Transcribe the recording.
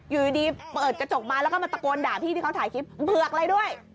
อยู่ดีเปิดกระจกมาแล้วก็มาตะโกนด่าพี่ที่เขาถ่ายคลิปเผือกอะไรด้วย